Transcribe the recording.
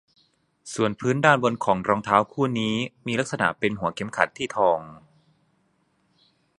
ส่วนพื้นด้านบนของรองเท้าคู่นี้มีลักษณะเป็นหัวเข็มขัดที่ทอง